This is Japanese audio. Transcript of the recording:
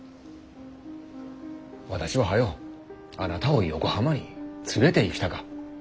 私は早うあなたを横浜に連れていきたか。